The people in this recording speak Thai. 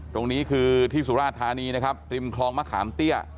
ตรงนี้คือที่สุราธานีนะครับริมคลองมะขามเตี้ย